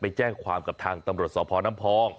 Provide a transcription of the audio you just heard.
ไปแจ้งความกับทางตำรวจสพน้ำพอง